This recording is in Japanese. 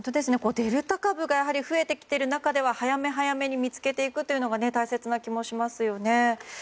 デルタ株が増えてきている中では早め早めに見つけていくのが大切な気もしますよね。